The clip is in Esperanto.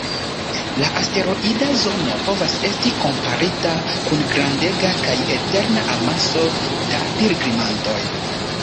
La asteroida zono povas esti komparita kun grandega kaj eterna amaso da pilgrimantoj.